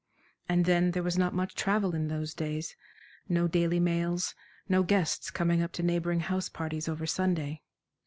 And then there was not much travel in those days, no daily mails, no guests coming up to neighboring house parties over Sunday....